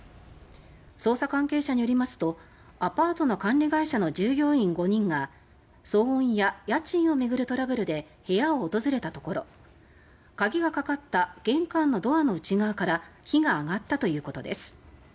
捜査関係者によりますとアパートの管理会社の従業員５人が騒音や家賃を巡るトラブルで部屋を訪れたところ鍵がかかった玄関のドアの内側から火が上がったということです。